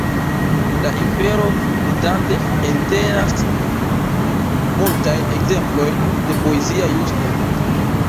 La "Infero" de Dante entenas multajn ekzemplojn de poezia justo.